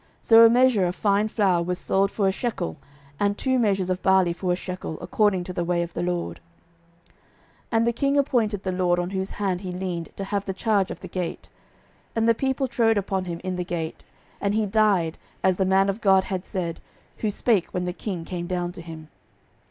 So a measure of fine flour was sold for a shekel, and two measures of barley for a shekel, according to the word of the LORD. 12:007:017 And the king appointed the lord on whose hand he leaned to have the charge of the gate: and the people trode upon him in the gate, and he died, as the man of God had said, who spake when the king came down to him.